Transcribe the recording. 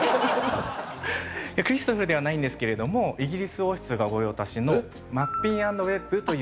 クリストフルではないんですけれどもイギリス王室が御用達のマッピン＆ウェッブという。